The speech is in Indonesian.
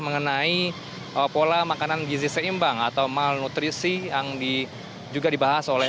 mengenai pola makanan gizi seimbang atau malnutrisi yang juga dibahas oleh